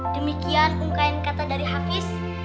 demikian ungkain kata dari hafiz